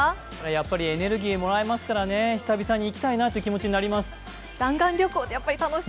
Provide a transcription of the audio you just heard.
やっぱりエネルギーもらえますからね、久々に行きたい気持ちになります。